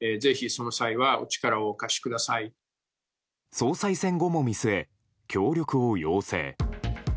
総裁選後も見据え、協力を要請。